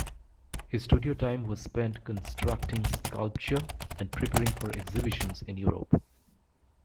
His studio time was spent constructing sculpture and preparing for exhibitions in Europe.